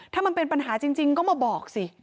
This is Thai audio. ถ้ามันเป็นปัญหาจริงก็มาบอกสิ